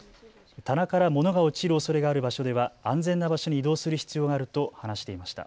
棚から物が落ちるおそれがある場所では安全な場所に移動する必要があると話していました。